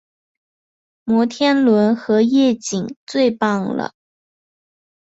摩天轮和夜景最棒了